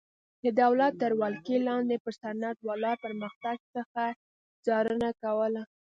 د دولت تر ولکې لاندې پر صنعت ولاړ پرمختګ څخه څارنه کوله.